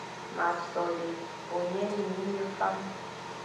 M a sole ôñgeñy e fyam.